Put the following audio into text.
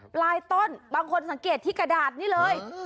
ปลายต้นบางคนสังเกตที่กระดาษนี่เลย